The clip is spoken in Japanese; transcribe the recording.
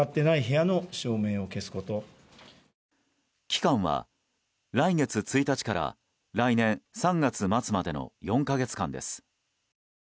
期間は来月１日から来年３月末までの４か月間です。